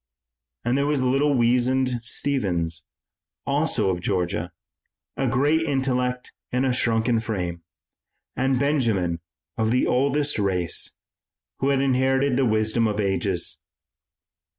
And there was little weazened Stephens, also of Georgia, a great intellect in a shrunken frame, and Benjamin of the oldest race, who had inherited the wisdom of ages.